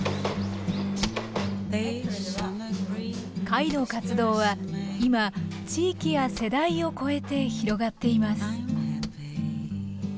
会の活動は今地域や世代を超えて広がっています